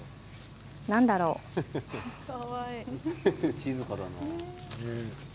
静かだな。